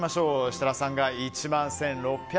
設楽さんが１万１６００円。